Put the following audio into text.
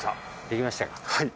「できましたか」